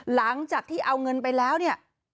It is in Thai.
หลังจากที่เอาเงินไปแล้วเนี่ย